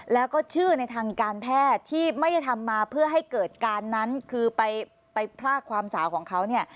แล้วก็ชื่อในทางการแพทย์ที่ไม่ได้ทำมาเพื่อให้เกิดการนั้นคือไปพรากความสาวของเขาเนี่ย